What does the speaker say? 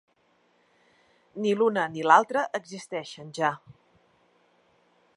Ni l’una ni l’altre no existeixen, ja.